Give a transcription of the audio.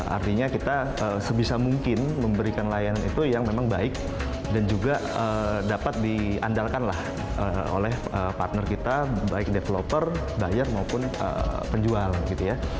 artinya kita sebisa mungkin memberikan layanan itu yang memang baik dan juga dapat diandalkan lah oleh partner kita baik developer buyer maupun penjual gitu ya